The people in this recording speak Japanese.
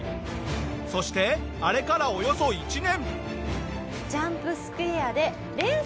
そしてあれからおよそ１年。